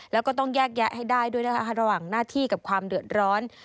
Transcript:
แล้วก็ต้องแยกแยะให้ได้ด้วยนะคะระหว่างหน้าที่กับความเดือดร้อน